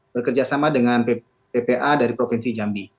bekerja sama dengan ppa dari provinsi jambi